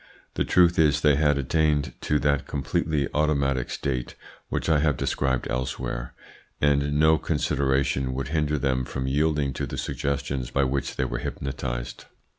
The truth is they had attained to that completely automatic state which I have described elsewhere, and no consideration would hinder them from yielding to the suggestions by which they were hypnotised.